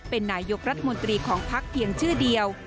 เป็นนายกรัฐมนตรีของพักเพียงชื่อเดียว